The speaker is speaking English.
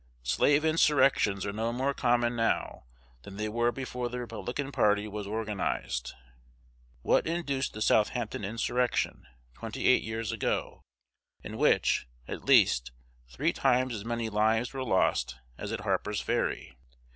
Slave insurrections are no more common now than they were before the Republican party was organized. What induced the Southampton Insurrection, twenty eight years ago, in which, at least, three times as many lives were lost as at Harper's Ferry?